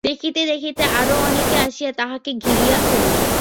দেখিতে দেখিতে আরো অনেকে আসিয়া তাঁহাকে ঘিরিয়া ফেলিল।